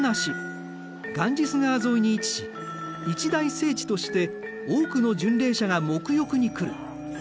ガンジス川沿いに位置し一大聖地として多くの巡礼者が沐浴に来る。